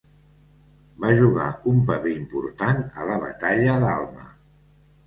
Va jugar un paper important a la batalla d'Alma.